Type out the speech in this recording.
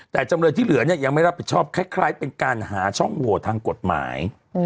แต่จำเลยที่เหลือเนี่ยยังไม่รับผิดชอบคล้ายเป็นการหาช่องโหวตทางกฎหมาย